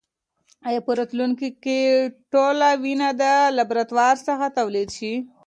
ایا په راتلونکې کې ټول وینه د لابراتوار څخه تولید شي؟